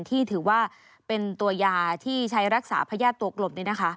ที่ถือว่าเป็นตัวยาที่ใช้รักษาพญาติตัวกลม